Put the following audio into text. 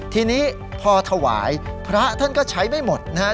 ทีนี้พอถวายพระท่านก็ใช้ไม่หมดนะครับ